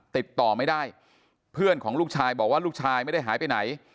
ติดต่อไม่ได้เพื่อนของลูกชายบอกว่าลูกชายไม่ได้หายไปไหน